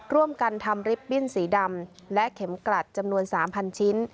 ร่วมกันทำลิปปิ้นสีดำและเข็มกลัดจำนวน๓๐๐ชิ้น